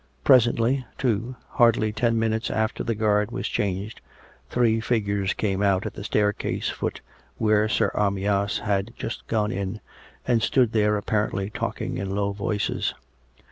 Presently, too, hardly ten minutes after the guard was changed, three figures came out at the staircase foot where Sir Amyas had just gone in, and stood there apparently talking in low voices.